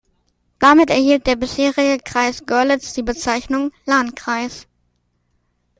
Damit erhielt der bisherige "Kreis" Görlitz die Bezeichnung "Landkreis".